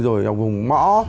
rồi vùng mõ